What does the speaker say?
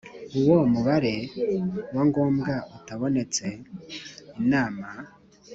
Uwo mubare wa ngombwa utabonetse inama